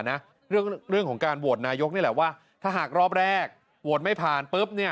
นะเรื่องของการโหวตนายกนี่แหละว่าถ้าหากรอบแรกโหวตไม่ผ่านปุ๊บเนี่ย